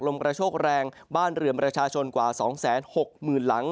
กระโชกแรงบ้านเรือนประชาชนกว่า๒๖๐๐๐หลัง